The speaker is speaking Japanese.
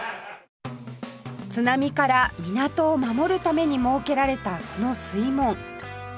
津波から港を守るために設けられたこの水門